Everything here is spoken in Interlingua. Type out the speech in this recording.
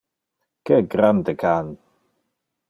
Que grande can!